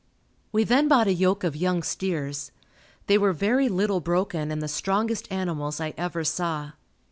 We then bought a yoke of young steers. They were very little broken and the strongest animals I ever saw.